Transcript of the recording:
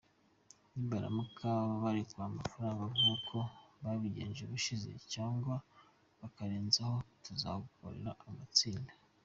Nibaramuka barekuye amafaranga nkuko babigenje ubushize cyangwa bakarenzaho bizatugora kubatsinda.